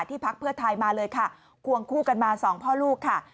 พักเพื่อไทยมาเลยค่ะควงคู่กันมาสองพ่อลูกค่ะ